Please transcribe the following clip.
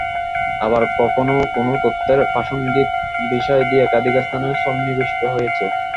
আবার কখনো কোন তথ্যের প্রাসংগিক বিষয়াদি একাধিক স্থানে সন্নিবেশিত হয়েছে।